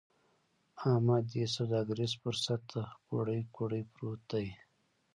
احمد دې سوداګريز فرصت ته کوړۍ کوړۍ پروت دی.